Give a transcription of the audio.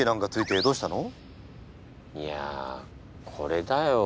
いやこれだよ。